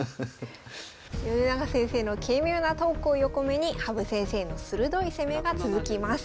米長先生の軽妙なトークを横目に羽生先生の鋭い攻めが続きます。